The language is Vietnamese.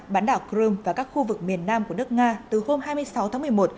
bán đảo crimea và các khu vực miền nam của nước nga từ hôm hai mươi sáu tháng một mươi một